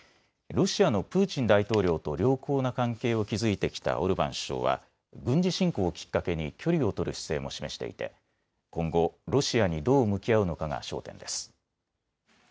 ロシアのプーチン大統領と良好な関係を築いてきたオルバン首相は軍事侵攻をきっかけに距離を取る姿勢も示していて今後、ロシアにどう向き合うのかが焦点です。